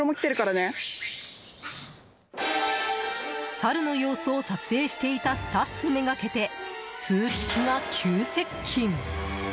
サルの様子を撮影していたスタッフめがけて数匹が急接近！